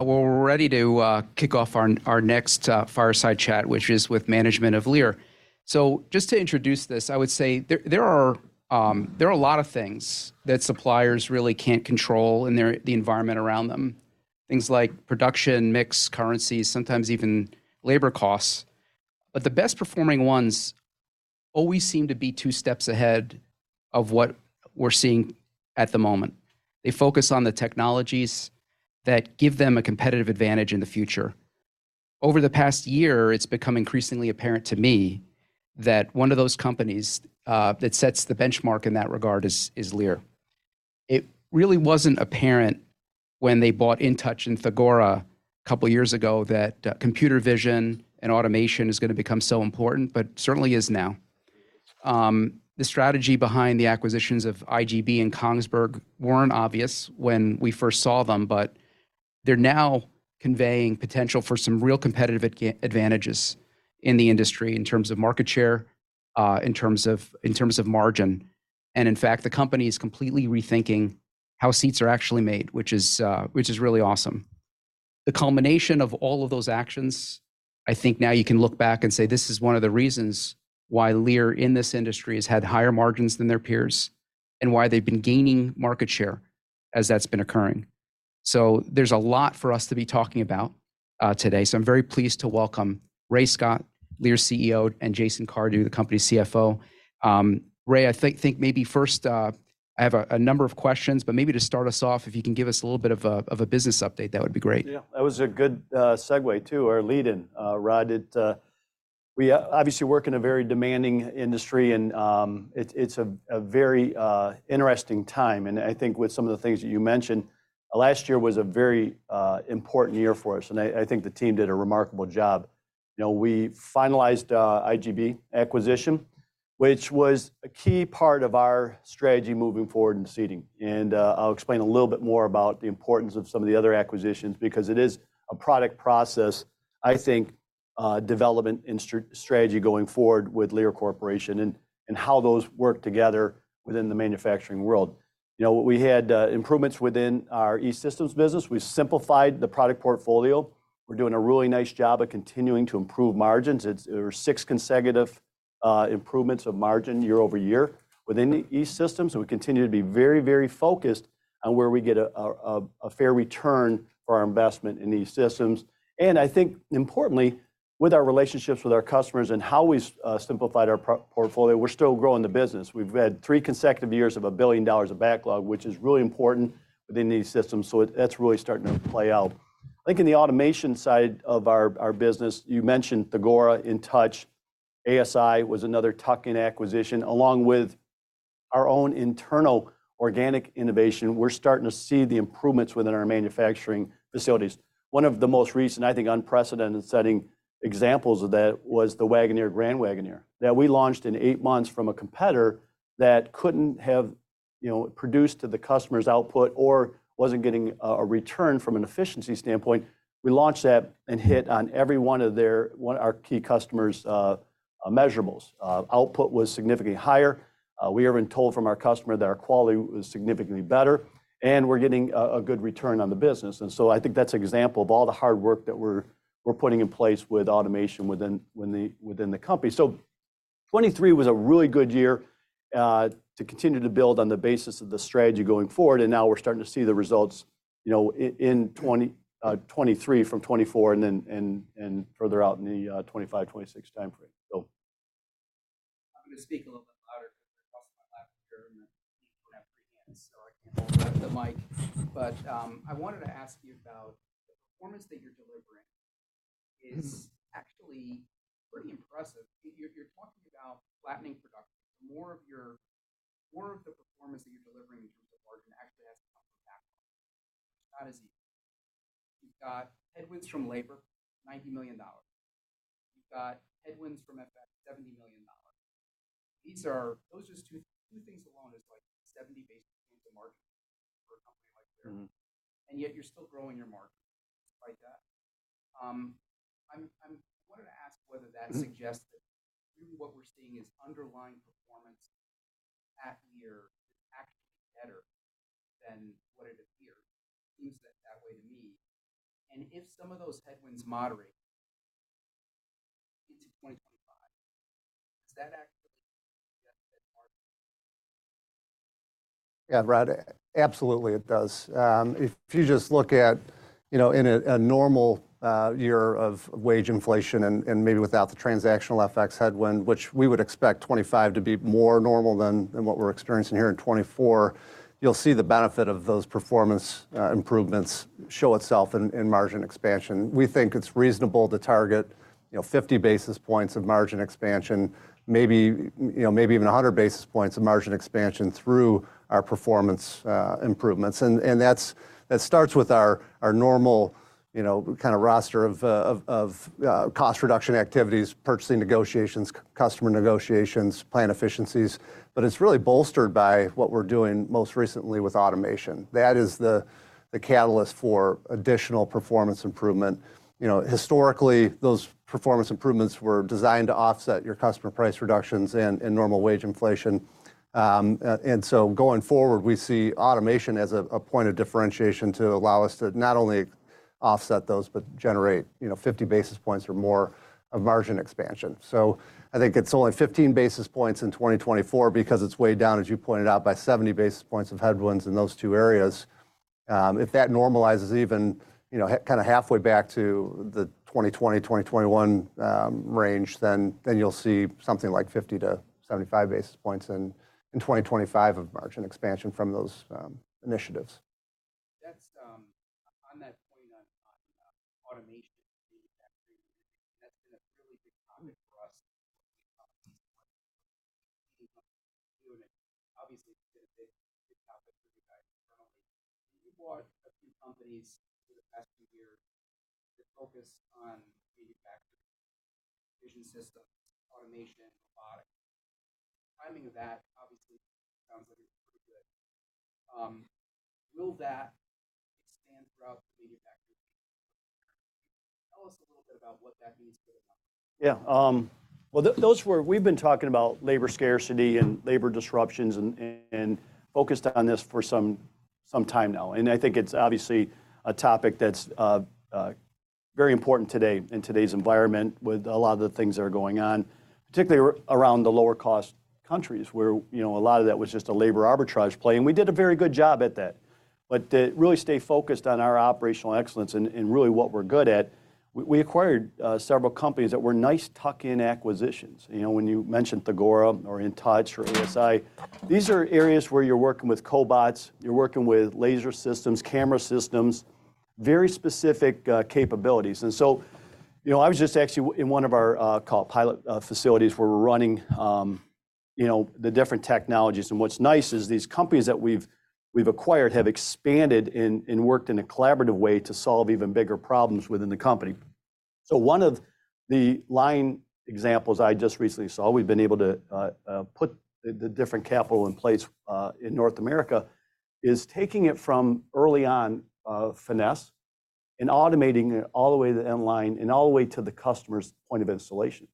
Well, we're ready to kick off our next Fireside Chat, which is with management of Lear. So just to introduce this, I would say there are a lot of things that suppliers really can't control in their environment around them. Things like production, mix, currencies, sometimes even labor costs. But the best performing ones always seem to be two steps ahead of what we're seeing at the moment. They focus on the technologies that give them a competitive advantage in the future. Over the past year, it's become increasingly apparent to me that one of those companies that sets the benchmark in that regard is Lear. It really wasn't apparent when they bought InTouch and Thagora a couple of years ago that computer vision and automation is gonna become so important, but certainly is now. The strategy behind the acquisitions of IGB and Kongsberg weren't obvious when we first saw them, but they're now conveying potential for some real competitive advantages in the industry in terms of market share, in terms of margin. And in fact, the company is completely rethinking how seats are actually made, which is really awesome. The culmination of all of those actions, I think now you can look back and say: This is one of the reasons why Lear, in this industry, has had higher margins than their peers, and why they've been gaining market share as that's been occurring. So there's a lot for us to be talking about, today. So I'm very pleased to welcome Ray Scott, Lear's CEO, and Jason Cardew, the company's CFO. Ray, I think maybe first, I have a number of questions, but maybe to start us off, if you can give us a little bit of a business update, that would be great. Yeah, that was a good segue to our lead-in, Rod. It-- we obviously work in a very demanding industry, and, it's, it's a, a very interesting time, and I think with some of the things that you mentioned, last year was a very important year for us, and I, I think the team did a remarkable job. You know, we finalized our IGB acquisition, which was a key part of our strategy moving forward in seating. And, I'll explain a little bit more about the importance of some of the other acquisitions because it is a product process, I think, development and strategy going forward with Lear Corporation, and, and how those work together within the manufacturing world. You know, we had improvements within our E-Systems business. We simplified the product portfolio. We're doing a really nice job of continuing to improve margins. It's— There were six consecutive improvements of margin year-over-year within the E-Systems, and we continue to be very, very focused on where we get a fair return for our investment in E-Systems. And I think importantly, with our relationships with our customers and how we simplified our portfolio, we're still growing the business. We've had three consecutive years of $1 billion of backlog, which is really important within E-Systems, so that's really starting to play out. I think in the automation side of our business, you mentioned Thagora, InTouch. ASI was another tuck-in acquisition, along with our own internal organic innovation. We're starting to see the improvements within our manufacturing facilities. One of the most recent, I think, unprecedented-setting examples of that was the Wagoneer/Grand Wagoneer that we launched in 8 months from a competitor that couldn't have, you know, produced to the customer's output or wasn't getting a return from an efficiency standpoint. We launched that and hit on every one of their one of our key customers' measurables. Output was significantly higher, we have been told from our customer that our quality was significantly better, and we're getting a good return on the business. And so I think that's an example of all the hard work that we're putting in place with automation within the company. So 2023 was a really good year to continue to build on the basis of the strategy going forward, and now we're starting to see the results, you know, in 2023 from 2024, and then, and, and further out in the 2025, 2026 time frame. So... I'm gonna speak a little bit louder because across my lap here, and I don't have free hands, so I can't hold the mic. But, I wanted to ask you about the performance that you're delivering is- Mm-hmm... actually pretty impressive. You're talking about flattening production. More of the performance that you're delivering in terms of margin actually has to come from backlog. How does it? You've got headwinds from labor, $90 million. You've got headwinds from FX, $70 million. These are those just two things alone is like 70 basis points of margin for a company like Lear. Mm-hmm. And yet you're still growing your margin despite that. I wanted to ask whether that Mm-hmm... suggests that really what we're seeing is underlying performance half year is actually better than what it appeared. It seems that way to me. And if some of those headwinds moderate into 2025, does that actually suggest that margin? Yeah, Rod, absolutely it does. If you just look at, you know, in a normal year of wage inflation and maybe without the transactional FX headwind, which we would expect 2025 to be more normal than what we're experiencing here in 2024, you'll see the benefit of those performance improvements show itself in margin expansion. We think it's reasonable to target, you know, 50 basis points of margin expansion, maybe, you know, maybe even 100 basis points of margin expansion through our performance improvements. And that's that starts with our normal, you know, kind of roster of cost reduction activities, purchasing negotiations, customer negotiations, plan efficiencies, but it's really bolstered by what we're doing most recently with automation. That is the catalyst for additional performance improvement. You know, historically, those performance improvements were designed to offset your customer price reductions and normal wage inflation. And so going forward, we see automation as a point of differentiation to allow us to not only offset those, but generate, you know, 50 basis points or more of margin expansion. So I think it's only 15 basis points in 2024, because it's weighed down, as you pointed out, by 70 basis points of headwinds in those two areas. If that normalizes even, you know, kind of halfway back to the 2020, 2021 range, then you'll see something like 50-75 basis points in 2025 of margin expansion from those initiatives. That's on that point on, on automation, manufacturing, that's been a really big topic for us. Obviously, it's been a big, big topic for you guys internally. You bought a few companies over the past few years that focus on manufacturing, vision systems, automation, robotics. Timing of that obviously sounds like pretty good. Will that expand throughout the manufacturing? Tell us a little bit about what that means for the company. Yeah, well, those were. We've been talking about labor scarcity and labor disruptions and focused on this for some time now, and I think it's obviously a topic that's very important today in today's environment, with a lot of the things that are going on, particularly around the lower cost countries, where, you know, a lot of that was just a labor arbitrage play, and we did a very good job at that. But to really stay focused on our operational excellence and really what we're good at, we acquired several companies that were nice tuck-in acquisitions. You know, when you mentioned Thagora or InTouch or ASI, these are areas where you're working with cobots, you're working with laser systems, camera systems, very specific capabilities. You know, I was just actually in one of our pilot facilities, where we're running the different technologies. What's nice is these companies that we've acquired have expanded and worked in a collaborative way to solve even bigger problems within the company. So one of the line examples I just recently saw, we've been able to put the different capital in place in North America, is taking it from early on, finesse and automating it all the way to the end line and all the way to the customer's point of installation.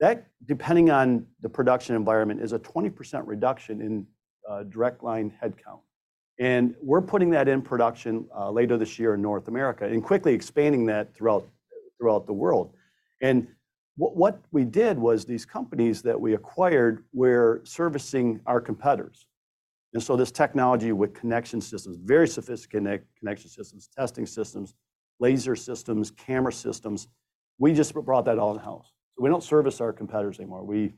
That, depending on the production environment, is a 20% reduction in direct line headcount, and we're putting that in production later this year in North America, and quickly expanding that throughout the world. And what we did was these companies that we acquired were servicing our competitors. And so this technology with connection systems, very sophisticated connection systems, testing systems, laser systems, camera systems, we just brought that all in-house. So we don't service our competitors anymore. We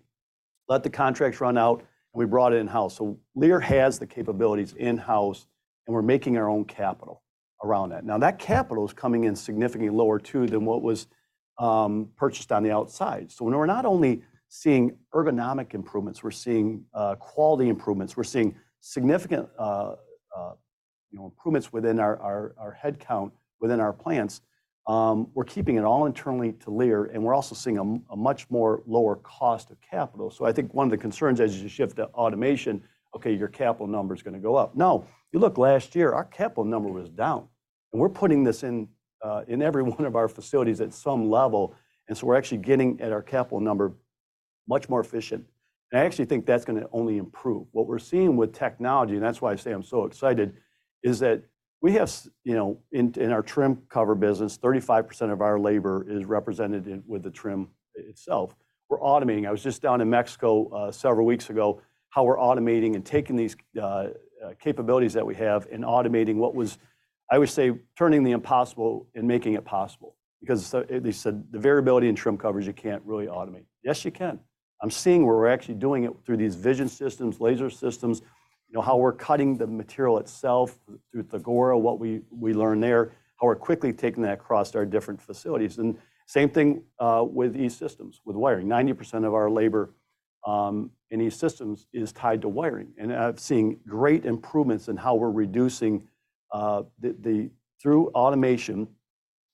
let the contracts run out, and we brought it in-house. So Lear has the capabilities in-house, and we're making our own capital around that. Now, that capital is coming in significantly lower, too, than what was purchased on the outside. So we're not only seeing ergonomic improvements, we're seeing quality improvements, we're seeing significant, you know, improvements within our headcount, within our plants. We're keeping it all internally to Lear, and we're also seeing a much more lower cost of capital. So I think one of the concerns as you shift to automation, okay, your capital number is gonna go up. No. You look last year, our capital number was down, and we're putting this in in every one of our facilities at some level, and so we're actually getting at our capital number much more efficient. And I actually think that's gonna only improve. What we're seeing with technology, and that's why I say I'm so excited, is that we have you know in in our trim cover business, 35% of our labor is represented in with the trim itself. We're automating. I was just down in Mexico several weeks ago, how we're automating and taking these capabilities that we have and automating what was... I would say, turning the impossible and making it possible. Because so they said, "The variability in trim coverage, you can't really automate." Yes, you can! I'm seeing where we're actually doing it through these vision systems, laser systems, you know, how we're cutting the material itself through Thagora, what we learn there, how we're quickly taking that across our different facilities. And same thing with E-Systems, with wiring. 90% of our labor in E-Systems is tied to wiring, and I've seen great improvements in how we're reducing through automation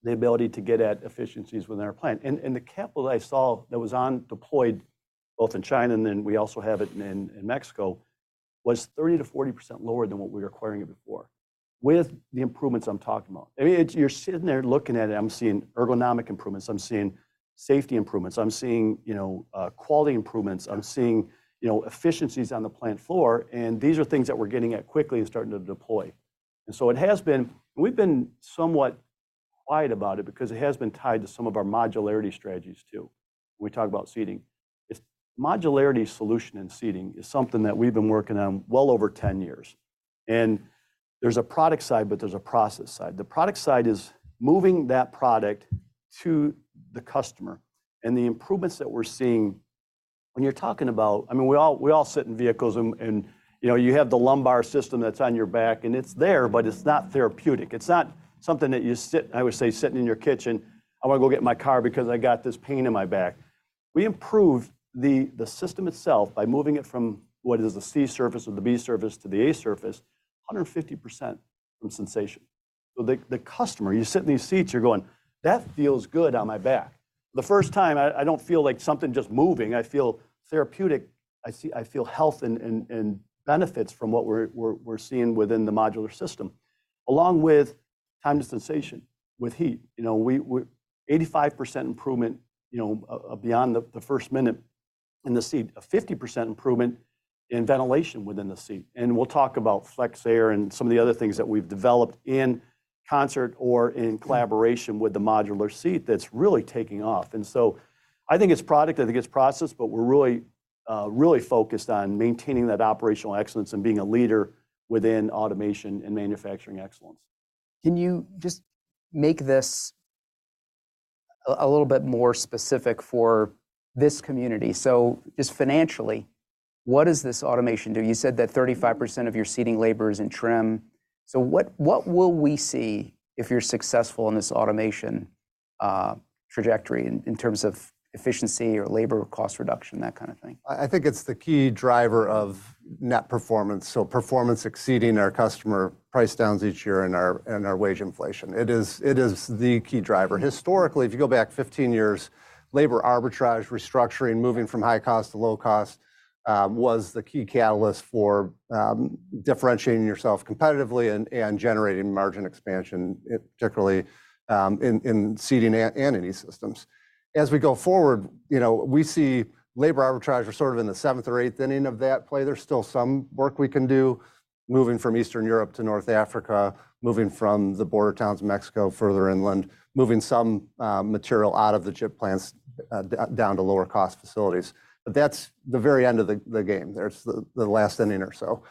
the ability to get at efficiencies within our plant. And the capital I saw that was deployed, both in China and then we also have it in Mexico, was 30%-40% lower than what we were acquiring it before, with the improvements I'm talking about. I mean, it's—you're sitting there looking at it, I'm seeing ergonomic improvements, I'm seeing safety improvements, I'm seeing, you know, quality improvements, I'm seeing, you know, efficiencies on the plant floor, and these are things that we're getting at quickly and starting to deploy. And so it has been—we've been somewhat quiet about it, because it has been tied to some of our modularity strategies, too. We talk about seating. It's—modularity solution in seating is something that we've been working on well over 10 years, and there's a product side, but there's a process side. The product side is moving that product to the customer, and the improvements that we're seeing—When you're talking about... I mean, we all, we all sit in vehicles and, and, you know, you have the lumbar system that's on your back, and it's there, but it's not therapeutic. It's not something that you sit, I would say, sitting in your kitchen, "I wanna go get in my car because I got this pain in my back." We improved the system itself by moving it from what is the C surface or the B surface to the A surface, 150% from sensation. So the customer, you sit in these seats, you're going: "That feels good on my back." The first time, I don't feel like something just moving, I feel therapeutic. I feel health and benefits from what we're seeing within the modular system... along with time to sensation with heat. You know, we 85% improvement, you know, beyond the first minute in the seat. A 50% improvement in ventilation within the seat, and we'll talk about FlexAir and some of the other things that we've developed in concert or in collaboration with the modular seat that's really taking off. And so I think it's product, I think it's process, but we're really, really focused on maintaining that operational excellence and being a leader within automation and manufacturing excellence. Can you just make this a little bit more specific for this community? So just financially, what does this automation do? You said that 35% of your seating labor is in trim. So what will we see if you're successful in this automation trajectory in terms of efficiency or labor cost reduction, that kind of thing? I think it's the key driver of net performance, so performance exceeding our customer price downs each year and our wage inflation. It is the key driver. Historically, if you go back 15 years, labor arbitrage, restructuring, moving from high cost to low cost, was the key catalyst for differentiating yourself competitively and generating margin expansion, particularly in seating and in these systems. As we go forward, you know, we see labor arbitrage are sort of in the seventh or eighth inning of that play. There's still some work we can do, moving from Eastern Europe to North Africa, moving from the border towns of Mexico further inland, moving some material out of the chip plants down to lower cost facilities. But that's the very end of the game. There's the last inning or so.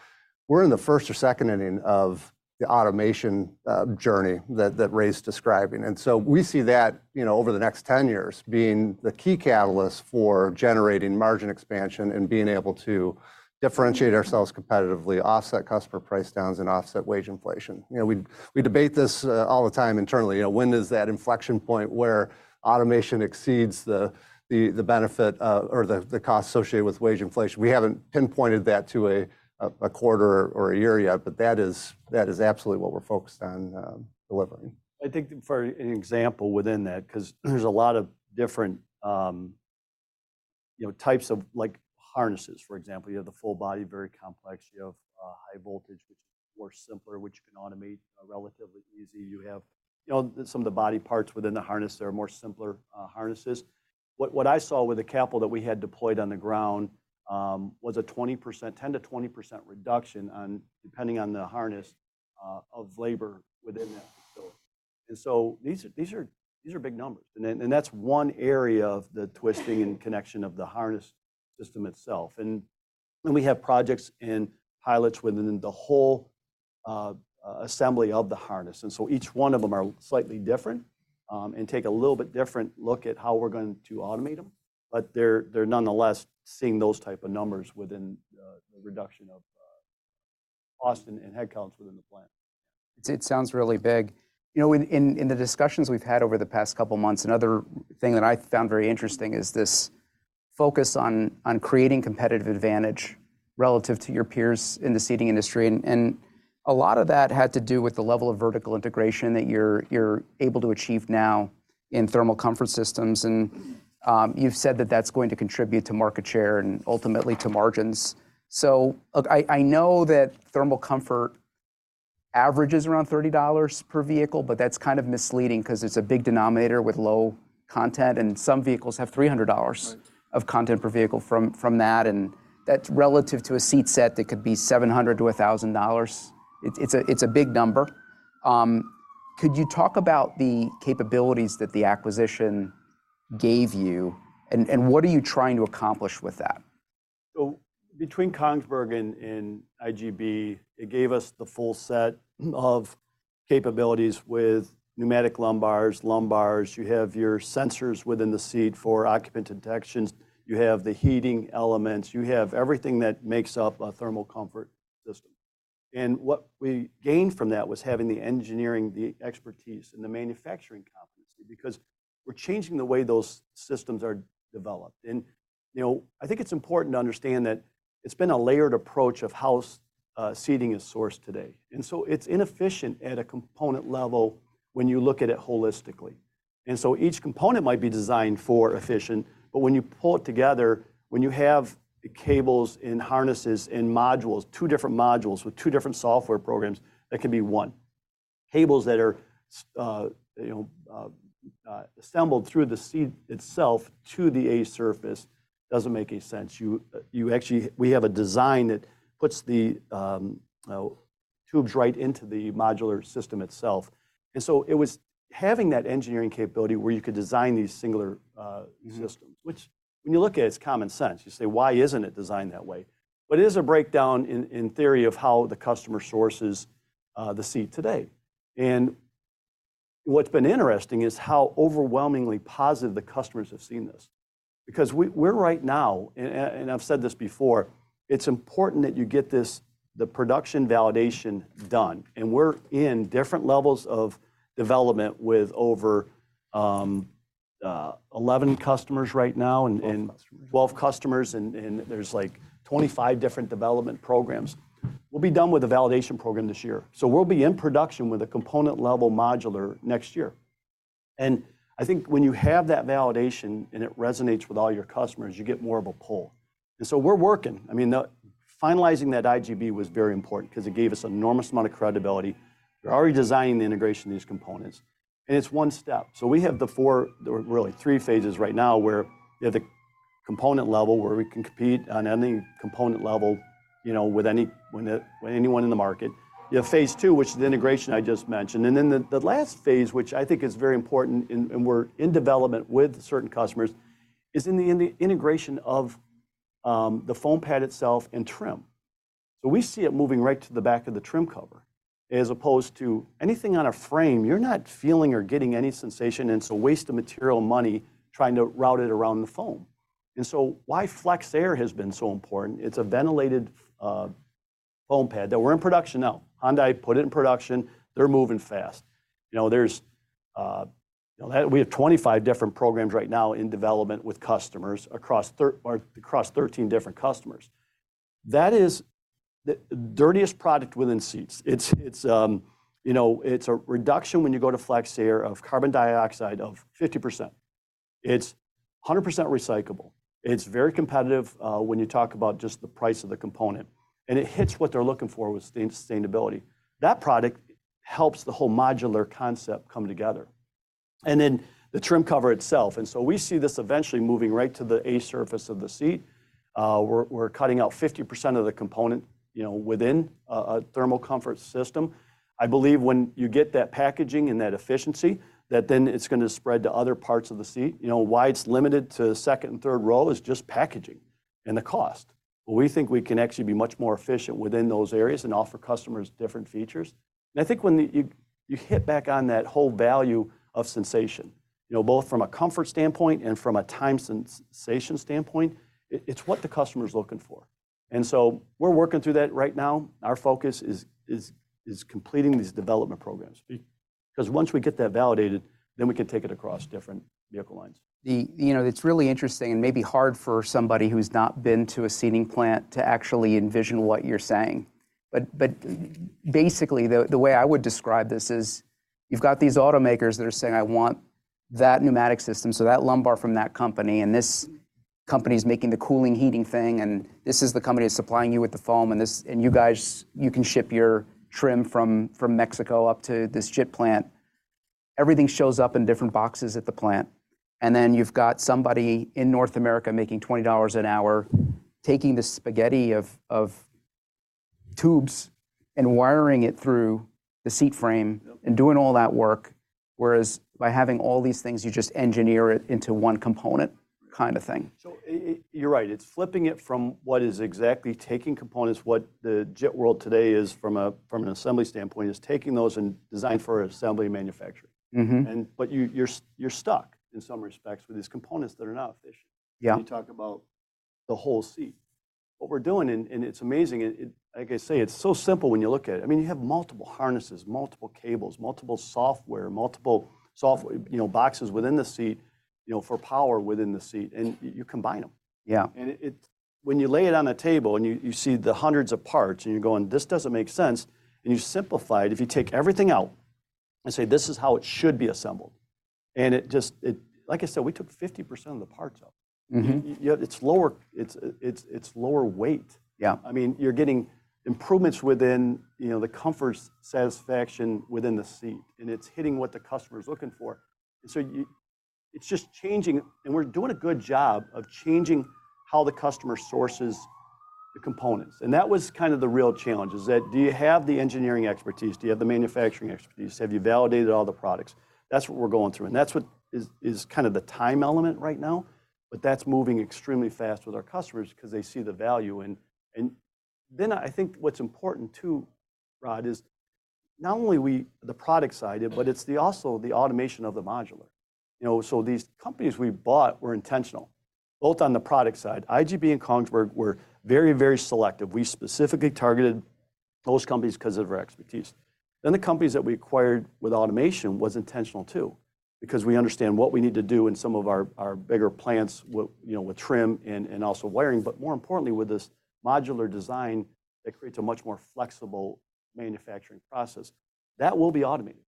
We're in the first or second inning of the automation journey that Ray's describing. And so we see that, you know, over the next 10 years, being the key catalyst for generating margin expansion and being able to differentiate ourselves competitively, offset customer price downs, and offset wage inflation. You know, we debate this all the time internally. You know, when is that inflection point where automation exceeds the benefit or the cost associated with wage inflation? We haven't pinpointed that to a quarter or a year yet, but that is absolutely what we're focused on delivering. I think for an example within that, 'cause there's a lot of different, you know, types of like harnesses, for example. You have the full body, very complex. You have high voltage, which is more simpler, which you can automate relatively easy. You have, you know, some of the body parts within the harness that are more simpler harnesses. What I saw with the capital that we had deployed on the ground was a 20%, 10%-20% reduction on, depending on the harness, of labor within that facility. And so these are big numbers. And then, and that's one area of the twisting and connection of the harness system itself. We have projects and pilots within the whole assembly of the harness, and so each one of them are slightly different, and take a little bit different look at how we're going to automate them. But they're nonetheless seeing those type of numbers within the reduction of cost and head counts within the plant. It sounds really big. You know, in the discussions we've had over the past couple of months, another thing that I found very interesting is this focus on creating competitive advantage relative to your peers in the seating industry. And a lot of that had to do with the level of vertical integration that you're able to achieve now in thermal comfort systems. And you've said that that's going to contribute to market share and ultimately to margins. So look, I know that thermal comfort averages around $30 per vehicle, but that's kind of misleading 'cause it's a big denominator with low content, and some vehicles have $300- Right... of content per vehicle from that, and that's relative to a seat set that could be $700-$1,000. It's a big number. Could you talk about the capabilities that the acquisition gave you, and what are you trying to accomplish with that? So between Kongsberg and IGB, it gave us the full set of capabilities with pneumatic lumbars. You have your sensors within the seat for occupant detections. You have the heating elements. You have everything that makes up a thermal comfort system. And what we gained from that was having the engineering, the expertise, and the manufacturing competency, because we're changing the way those systems are developed. And, you know, I think it's important to understand that it's been a layered approach of how seating is sourced today. And so it's inefficient at a component level when you look at it holistically. And so each component might be designed for efficient, but when you pull it together, when you have the cables and harnesses and modules, two different modules with two different software programs, that can be one. Cables that are, you know, assembled through the seat itself to the A surface doesn't make any sense. You, you actually... We have a design that puts the tubes right into the modular system itself. And so it was having that engineering capability where you could design these singular systems. Which, when you look at it, it's common sense. You say, "Why isn't it designed that way?" But it is a breakdown in, in theory, of how the customer sources the seat today. And what's been interesting is how overwhelmingly positive the customers have seen this. Because we're right now, and, and, and I've said this before, it's important that you get this, the production validation done, and we're in different levels of development with over 11 customers right now, and, and- Twelve customers... 12 customers, and there's, like, 25 different development programs. We'll be done with the validation program this year. So we'll be in production with a component-level modular next year.... And I think when you have that validation, and it resonates with all your customers, you get more of a pull. And so we're working. I mean, the finalizing that IGB was very important, 'cause it gave us enormous amount of credibility. We're already designing the integration of these components, and it's one step. So we have the four, or really, Phase III right now, where you have the component level, where we can compete on any component level, you know, with anyone in the market. You have Phase II, which is the integration I just mentioned. And then the last phase, which I think is very important and we're in development with certain customers, is in the integration of the foam pad itself and trim. So we see it moving right to the back of the Trim cover, as opposed to anything on a frame, you're not feeling or getting any sensation, and it's a waste of material money trying to route it around the foam. And so why FlexAir has been so important, it's a ventilated foam pad that we're in production now. Hyundai put it in production. They're moving fast. You know, we have 25 different programs right now in development with customers across thirteen different customers. That is the dirtiest product within seats. It's you know, it's a reduction when you go to FlexAir of carbon dioxide of 50%. It's 100% recyclable. It's very competitive when you talk about just the price of the component, and it hits what they're looking for with sustainability. That product helps the whole modular concept come together, and then the trim cover itself. And so we see this eventually moving right to the A surface of the seat. We're cutting out 50% of the component, you know, within a thermal comfort system. I believe when you get that packaging and that efficiency, that then it's gonna spread to other parts of the seat. You know, why it's limited to second and third row is just packaging and the cost. But we think we can actually be much more efficient within those areas and offer customers different features. I think when you hit back on that whole value of sensation, you know, both from a comfort standpoint and from a time sensation standpoint, it's what the customer is looking for. So we're working through that right now. Our focus is completing these development programs. Because once we get that validated, then we can take it across different vehicle lines. You know, it's really interesting and maybe hard for somebody who's not been to a seating plant to actually envision what you're saying. But, but basically, the, the way I would describe this is, you've got these automakers that are saying, "I want that pneumatic system, so that lumbar from that company, and this company's making the cooling, heating thing, and this is the company that's supplying you with the foam and this-- And you guys, you can ship your trim from, from Mexico up to this JIT plant." Everything shows up in different boxes at the plant, and then you've got somebody in North America making $20 an hour, taking this spaghetti of, of tubes and wiring it through the seat frame- Yep. and doing all that work, whereas by having all these things, you just engineer it into one component kind of thing. So you're right. It's flipping it from what is exactly taking components, what the JIT world today is from a, from an assembly standpoint, is taking those and designed for assembly manufacturing. Mm-hmm. You're stuck in some respects with these components that are not efficient. Yeah. When you talk about the whole seat. What we're doing, and it's amazing, like I say, it's so simple when you look at it. I mean, you have multiple harnesses, multiple cables, multiple software, you know, boxes within the seat, you know, for power within the seat, and you combine them. Yeah. It when you lay it on the table and you see the hundreds of parts, and you're going, "This doesn't make sense," and you simplify it. If you take everything out and say, "This is how it should be assembled," and it just like I said, we took 50% of the parts out. Mm-hmm. Yet it's lower, it's lower weight. Yeah. I mean, you're getting improvements within, you know, the comfort, satisfaction within the seat, and it's hitting what the customer is looking for. So it's just changing, and we're doing a good job of changing how the customer sources the components. And that was kind of the real challenge, is that, do you have the engineering expertise? Do you have the manufacturing expertise? Have you validated all the products? That's what we're going through, and that's what is kind of the time element right now, but that's moving extremely fast with our customers 'cause they see the value. And then I think what's important, too, Rod, is not only we, the product side, but it's also the automation of the modular. You know, so these companies we bought were intentional, both on the product side. IGB and Kongsberg were very, very selective. We specifically targeted those companies 'cause of their expertise. Then the companies that we acquired with automation was intentional, too, because we understand what we need to do in some of our bigger plants with, you know, with trim and also wiring, but more importantly, with this modular design, that creates a much more flexible manufacturing process. That will be automated.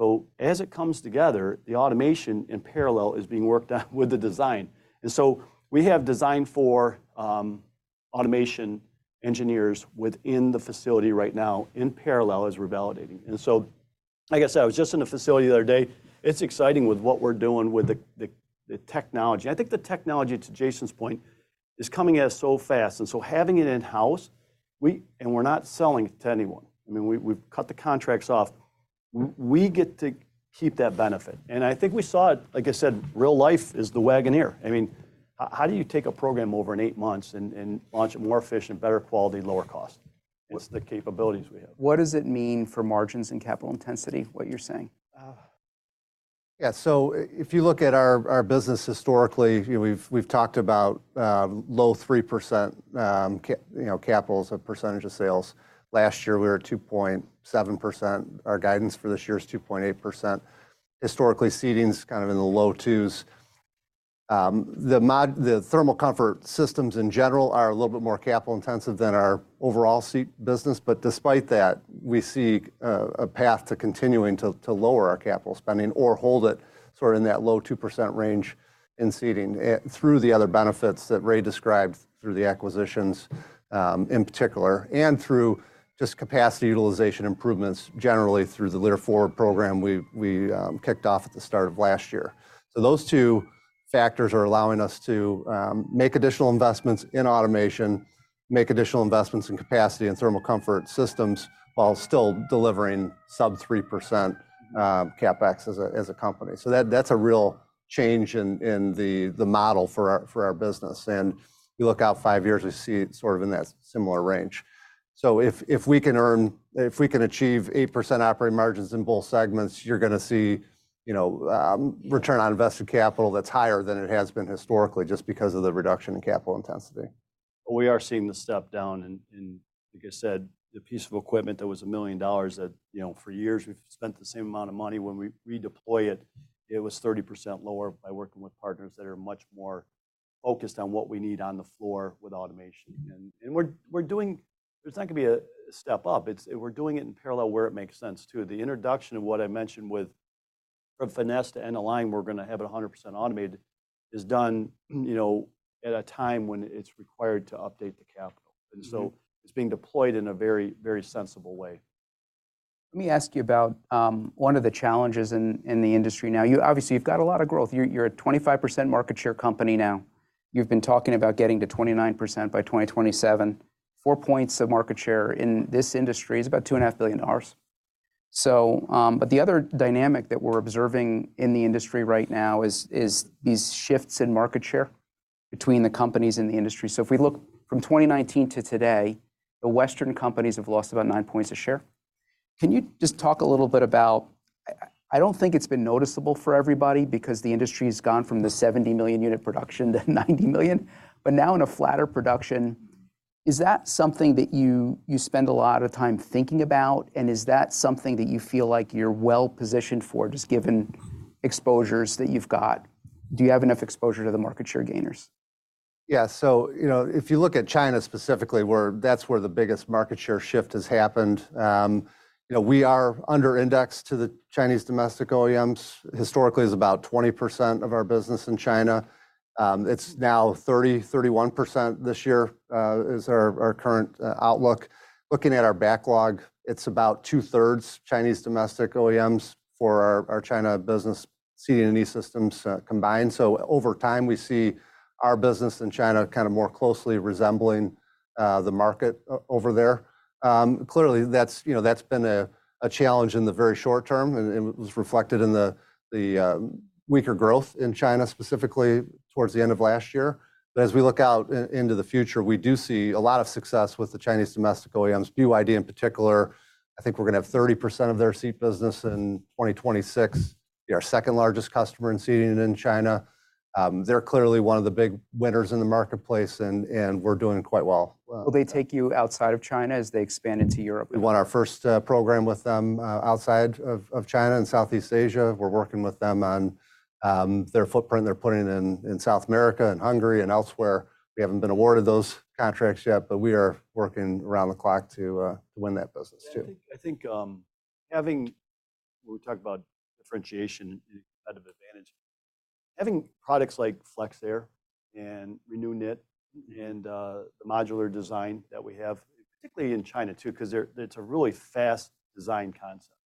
So as it comes together, the automation in parallel is being worked on with the design. And so we have design for automation engineers within the facility right now, in parallel, as we're validating. And so, like I said, I was just in the facility the other day. It's exciting with what we're doing with the technology. I think the technology, to Jason's point, is coming at us so fast, and so having it in-house, we—and we're not selling it to anyone. I mean, we, we've cut the contracts off. We get to keep that benefit, and I think we saw it, like I said, real life is the Wagoneer. I mean, how do you take a program over in eight months and launch it more efficient, better quality, lower cost? It's the capabilities we have. What does it mean for margins and capital intensity, what you're saying? Yeah, so if you look at our business historically, you know, we've talked about low 3%, you know, capital as percentage of sales. Last year, we were at 2.7%. Our guidance for this year is 2.8%. Historically, seating's kind of in the low 2s. The thermal comfort systems in general are a little bit more capital-intensive than our overall seat business. But despite that, we see a path to continuing to lower our capital spending or hold it sort of in that low 2% range in seating and through the other benefits that Ray described, through the acquisitions, in particular, and through just capacity utilization improvements generally through the Lear Forward program we kicked off at the start of last year. So those two factors are allowing us to make additional investments in automation, make additional investments in capacity and thermal comfort systems, while still delivering sub 3%, CapEx as a company. So that's a real change in the model for our business. And you look out five years, we see it sort of in that similar range. So if we can achieve 8% operating margins in both segments, you're gonna see, you know, return on invested capital that's higher than it has been historically, just because of the reduction in capital intensity. We are seeing the step down, and like I said, the piece of equipment that was $1 million that, you know, for years we've spent the same amount of money. When we redeploy it, it was 30% lower by working with partners that are much more focused on what we need on the floor with automation. And we're doing—there's not gonna be a step up, it's... we're doing it in parallel, where it makes sense, too. The introduction of what I mentioned with, from finesse to end of line, we're going to have it 100% automated, is done, you know, at a time when it's required to update the capital. And so it's being deployed in a very, very sensible way. Let me ask you about one of the challenges in the industry now. You obviously, you've got a lot of growth. You're a 25% market share company now. You've been talking about getting to 29% by 2027. 4 points of market share in this industry is about $2.5 billion. So, but the other dynamic that we're observing in the industry right now is these shifts in market share between the companies and the industry. So if we look from 2019 to today, the Western companies have lost about 9 points a share. Can you just talk a little bit about... I don't think it's been noticeable for everybody, because the industry's gone from the 70 million unit production to 90 million, but now in a flatter production, is that something that you spend a lot of time thinking about? And is that something that you feel like you're well positioned for, just given exposures that you've got? Do you have enough exposure to the market share gainers? Yeah. So, you know, if you look at China specifically, where that's where the biggest market share shift has happened, you know, we are under indexed to the Chinese domestic OEMs. Historically, it's about 20% of our business in China. It's now 30-31% this year, is our current outlook. Looking at our backlog, it's about two-thirds Chinese domestic OEMs for our China business, Seating and E-Systems, combined. So over time, we see our business in China kind of more closely resembling the market over there. Clearly, that's, you know, that's been a challenge in the very short term, and it was reflected in the weaker growth in China, specifically towards the end of last year. As we look out into the future, we do see a lot of success with the Chinese domestic OEMs, BYD in particular. I think we're gonna have 30% of their seat business in 2026, be our second largest customer in seating in China. They're clearly one of the big winners in the marketplace, and we're doing quite well. Will they take you outside of China as they expand into Europe? We won our first program with them outside of China in Southeast Asia. We're working with them on their footprint they're putting in South America and Hungary and elsewhere. We haven't been awarded those contracts yet, but we are working around the clock to win that business too. I think having... We talked about differentiation and competitive advantage. Having products like FlexAir and ReNewKnit and the modular design that we have, particularly in China, too, because they're, it's a really fast design concept,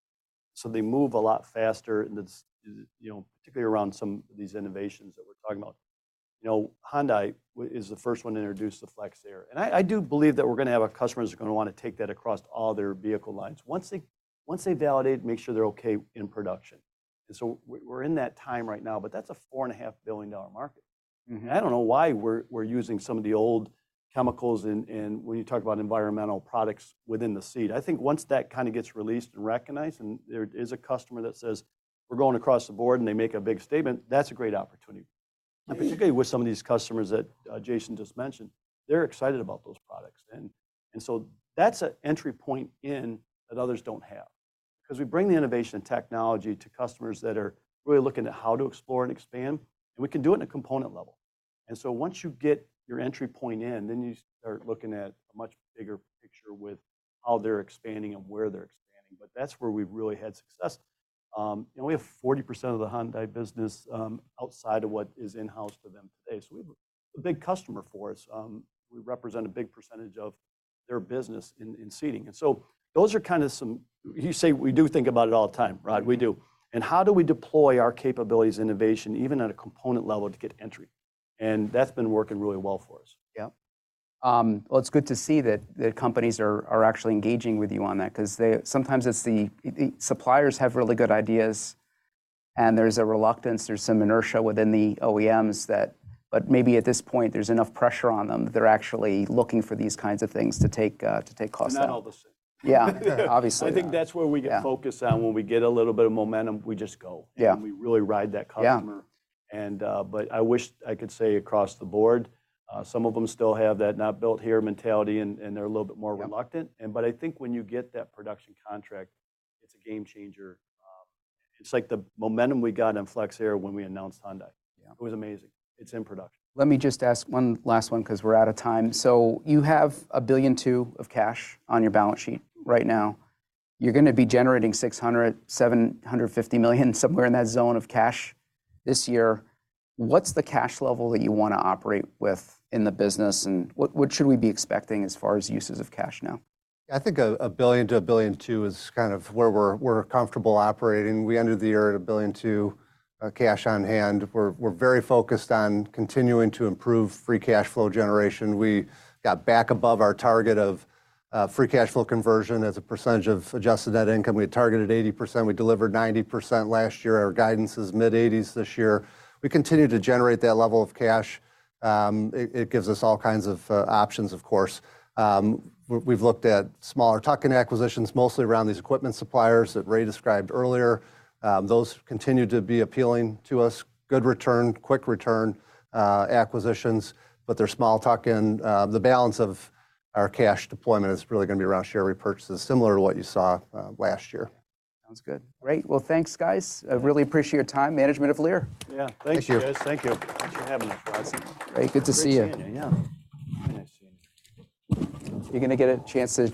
so they move a lot faster and it's, you know, particularly around some of these innovations that we're talking about. You know, Hyundai is the first one to introduce the FlexAir. And I do believe that we're gonna have our customers are gonna want to take that across all their vehicle lines once they validate and make sure they're okay in production. And so we're in that time right now, but that's a $4.5 billion market. Mm-hmm. I don't know why we're using some of the old chemicals when you talk about environmental products within the seat. I think once that kind of gets released and recognized, and there is a customer that says, "We're going across the board," and they make a big statement, that's a great opportunity. Yeah. Particularly with some of these customers that Jason just mentioned, they're excited about those products. And so that's an entry point in that others don't have, because we bring the innovation and technology to customers that are really looking at how to explore and expand, and we can do it in a component level. And so once you get your entry point in, then you start looking at a much bigger picture with how they're expanding and where they're expanding, but that's where we've really had success. And we have 40% of the Hyundai business outside of what is in-house for them today. So we've a big customer for us, we represent a big percentage of their business in seating. And so those are kind of some- You say we do think about it all the time, Rod, we do. How do we deploy our capabilities, innovation, even at a component level, to get entry? That's been working really well for us. Yeah. Well, it's good to see that companies are actually engaging with you on that, 'cause they—sometimes it's the suppliers have really good ideas, and there's a reluctance, there's some inertia within the OEMs that... But maybe at this point, there's enough pressure on them that they're actually looking for these kinds of things to take closer. Not all of a sudden. Yeah, obviously. I think that's where we get- Yeah... focus on. When we get a little bit of momentum, we just go. Yeah. We really ride that customer. Yeah. But I wish I could say across the board, some of them still have that, "not built here" mentality, and they're a little bit more reluctant. Yeah. But I think when you get that production contract, it's a game changer. It's like the momentum we got in FlexAir when we announced Hyundai. Yeah. It was amazing. It's in production. Let me just ask one last one, because we're out of time. So you have $1.2 billion of cash on your balance sheet right now. You're gonna be generating $600 million-$750 million, somewhere in that zone, of cash this year. What's the cash level that you want to operate with in the business, and what, what should we be expecting as far as uses of cash now? I think a billion to a billion two is kind of where we're comfortable operating. We ended the year at a billion two cash on hand. We're very focused on continuing to improve free cash flow generation. We got back above our target of free cash flow conversion as a percentage of adjusted net income. We had targeted 80%, we delivered 90% last year. Our guidance is mid-80s this year. We continue to generate that level of cash. It gives us all kinds of options, of course. We've looked at smaller tuck-in acquisitions, mostly around these equipment suppliers that Ray described earlier. Those continue to be appealing to us. Good return, quick return acquisitions, but they're small tuck-in. The balance of our cash deployment is really gonna be around share repurchases, similar to what you saw last year. Sounds good. Great. Well, thanks, guys. I really appreciate your time, management of Lear. Yeah. Thank you. Thank you. Thanks for having us, Rod. Very good to see you. Great seeing you, yeah. Very nice seeing you. You're gonna get a chance to-